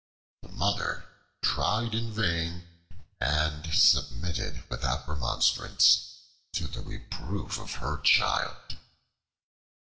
The Mother tried in vain, and submitted without remonstrance to the reproof of her child.